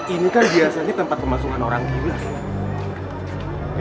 ini kan biasanya tempat pemasungan orang gila sih